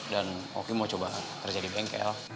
dan shoki mau coba kerja di bengkel